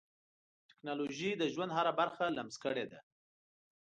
ټکنالوجي د ژوند هره برخه لمس کړې ده.